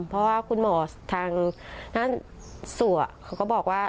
เพราะว่าคุณหมอทางท่านสัวเขาก็บอกว่า